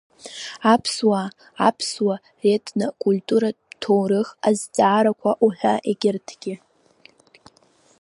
Аԥсуаа, Аԥсуаа ретно-культуратә ҭоурых азҵаарақәа уҳәа егьырҭгьы.